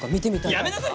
やめなさい！